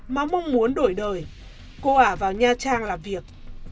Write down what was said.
mà mong muốn đổi đời cô ả vào nha trang làm việc